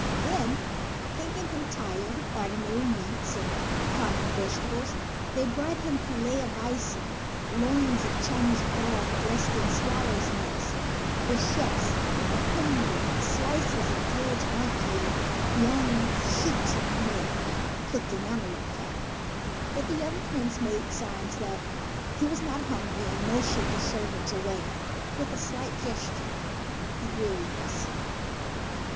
Then, thinking him tired of ordinary meats and common vegetables, they brought him filets of bison, loins of Chinese dogs, dressed with swallows' nests, brochets of humming birds, slices of grilled monkeys and young shoots of pimpernel, cooked in antelope fat. But the young Prince made signs that he was not hungry, and motioned the servants away with a slight gesture of weariness.